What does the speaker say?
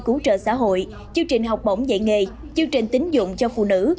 cứu trợ xã hội chương trình học bổng dạy nghề chương trình tính dụng cho phụ nữ